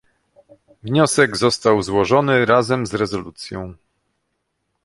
Wniosek został złożony razem z rezolucją